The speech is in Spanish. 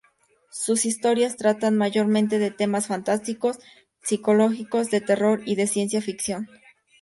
Sus historias tratan mayormente de temas fantásticos, psicológicos, de terror y de ciencia ficción.